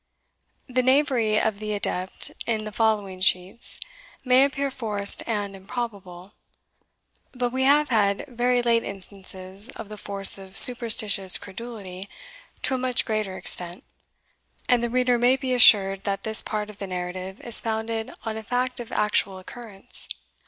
The knavery of the adept in the following sheets may appear forced and improbable; but we have had very late instances of the force of superstitious credulity to a much greater extent, and the reader may be assured, that this part of the narrative is founded on a fact of actual occurrence.